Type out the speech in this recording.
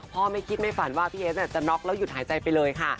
ไม่คิดไม่ฝันว่าพี่เอสจะน็อกแล้วหยุดหายใจไปเลยค่ะ